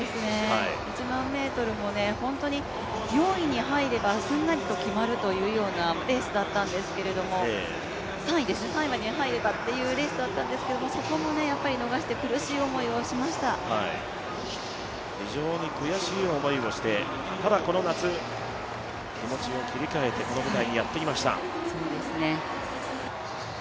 １００００ｍも４位に入ればすんなりと決まるというようなレースだったんですけれども３位までに入ればというレースだったんですけど、そこも逃して非常に悔しい思いをしてただこの夏、気持ちを切り替えてこの舞台にやってきました。